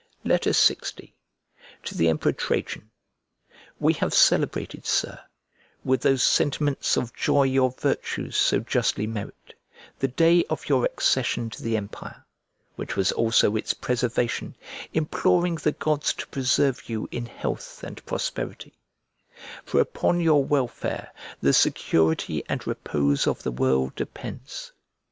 LX To THE EMPEROR TRAJAN WE have celebrated, Sir (with those sentiments of joy your virtues so justly merit), the day of your accession to the empire, which was also its preservation, imploring the gods to preserve you in health and prosperity; for upon your welfare the security and repose of the world depends.